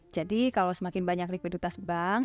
jadi kalau semakin banyak likuiditas bank